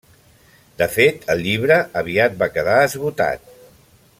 De fet, el llibre aviat va quedar esgotat.